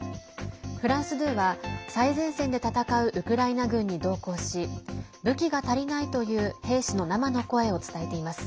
フランス２は、最前線で戦うウクライナ軍に同行し武器が足りないという兵士の生の声を伝えています。